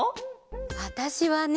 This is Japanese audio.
わたしはね